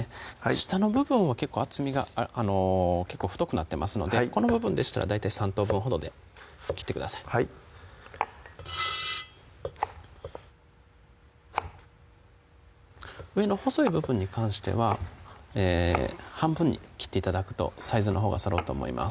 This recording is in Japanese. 下の部分は結構厚みがあの結構太くなってますのでこの部分でしたら大体３等分ほどで切ってください上の細い部分に関しては半分に切って頂くとサイズのほうがそろうと思います